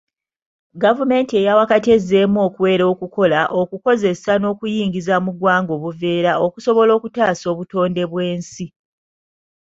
Gavumenti eya wakati ezzeemu okuwera okukola, okukozesa n'okuyingiza muggwanga obuveera, okusobola okutaasa obutonde bw'ensi.